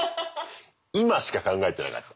今しか考えてなかった。